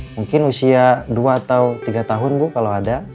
mungkin usia dua atau tiga tahun bu kalau ada